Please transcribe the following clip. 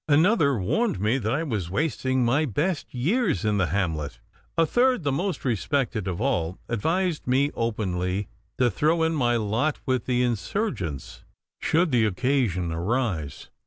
Another warned me that I was wasting my best years in the hamlet. A third, the most respected of all, advised me openly to throw in my lot with the insurgents, should the occasion arise.